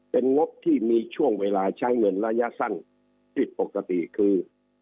เป็นงบที่มีช่วงเวลาใช้เงินระยะสั้นผิดปกติคือ